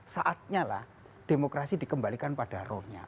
saatnya lah demokrasi dikembalikan pada rohnya